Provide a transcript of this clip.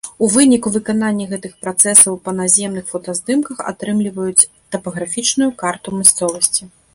У выніку выканання гэтых працэсаў па наземных фотаздымках атрымліваюць тапаграфічную карту мясцовасці.